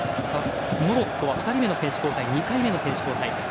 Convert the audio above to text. モロッコは２人目の選手交代２回目の選手交代。